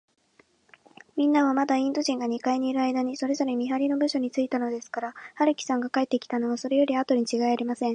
みんなは、まだインド人が二階にいるあいだに、それぞれ見はりの部署についたのですから、春木さんが帰ってきたのは、それよりあとにちがいありません。